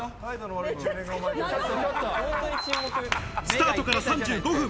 スタートから３５分。